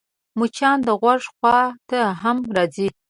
مچان د غوږ خوا ته هم راځي